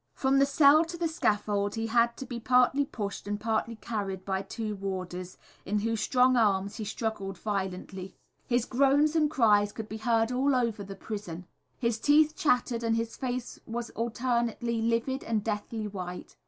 From the cell to the scaffold he had to be partly pushed and partly carried by two warders, in whose strong arms he struggled violently. His groans and cries could be heard all over the prison. His teeth chattered, and his face was alternately livid and deathly white.